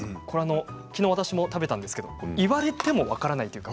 きのう私も食べたんですけれど言われても分からないというか。